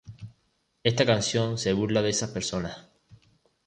Esta canción se burla de esas personas.